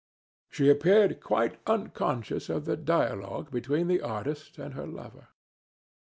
She appeared quite unconscious of the dialogue between the artist and her lover.